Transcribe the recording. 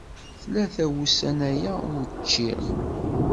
Tlata wussan aya ur ččiɣ.